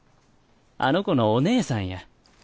あの子のお姉さんや。